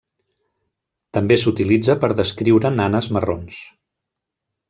També s'utilitza per descriure nanes marrons.